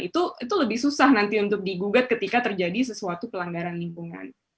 itu lebih susah nanti untuk digugat ketika terjadi sesuatu pelanggaran lingkungan